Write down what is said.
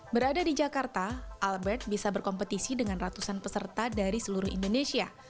berada di jakarta albert bisa berkompetisi dengan ratusan peserta dari seluruh indonesia